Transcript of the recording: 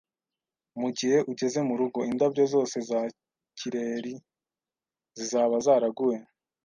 Mugihe ugeze murugo, indabyo zose za kireri zizaba zaraguye